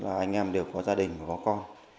anh em đều có gia đình và có con